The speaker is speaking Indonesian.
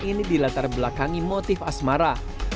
ini dilatar belakangi motif asmara